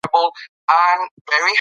آس په آرامۍ سره د خاورو په سر ودرېد.